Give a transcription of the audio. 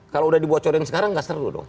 kalau udah dibocorin sekarang gaser loh dong